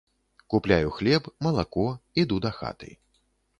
Купляю хлеб, малако, іду дахаты.